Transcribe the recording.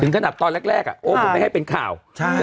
ถึงขนาดตอนแรกแรกอ่ะโอ๊บก็ไม่ให้เป็นข่าวใช่